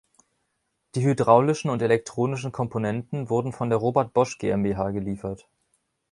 Die hydraulischen und elektronischen Komponenten wurden von der Robert Bosch GmbH geliefert.